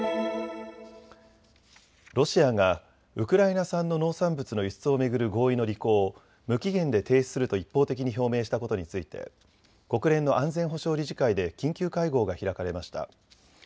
ロシアがウクライナ産の農産物の輸出を巡る合意の履行を無期限で停止すると一方的に表明したことについて国連の安全保障理事会で緊急会合が開かれました。